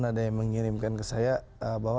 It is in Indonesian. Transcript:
ada yang mengirimkan ke saya bahwa